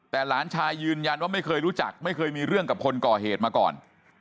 แต่หลานชายยืนยันว่าไม่เคยรู้จักไม่เคยมีเรื่องกับคนก่อเหตุมาก่อน